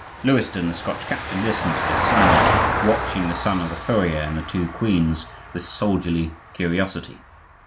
Lewiston, the Scotch captain, listened to this silence, watching the son of the furrier and the two queens with soldierly curiosity.